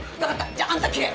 じゃああんた切れ。